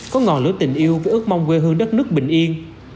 có ngọn lửa tình yêu với ước mong quê hương đất nước bình yên